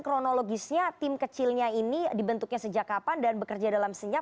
kronologisnya tim kecilnya ini dibentuknya sejak kapan dan bekerja dalam senyap